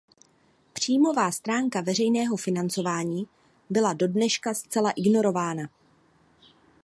Příjmová stránka veřejného financování byla dodneška zcela ignorována.